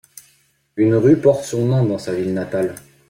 Une rue porte son nom dans sa ville natale.